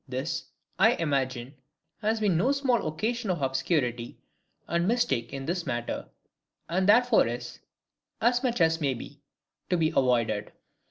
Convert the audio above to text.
This, I imagine, has been no small occasion of obscurity and mistake in this matter; and therefore is, as much as may be, to be avoided.